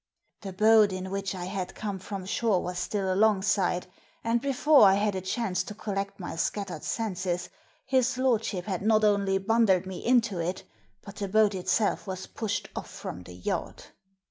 The boat in which I had come from shpre was still alongside, and, before I had a chance to collect my scattered senses, his^ lordship had not only bundled me into it, but the boat itself was pushed off from the yacht.